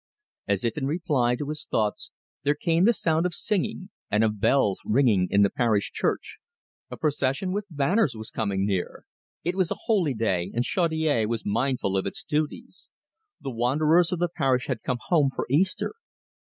As if in reply to his thoughts there came the sound of singing, and of bells ringing in the parish church. A procession with banners was coming near. It was a holy day, and Chaudiere was mindful of its duties. The wanderers of the parish had come home for Easter.